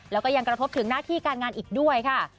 แล้วก็ยังกระทบถึงหน้าที่การงานอีกด้วยค่ะ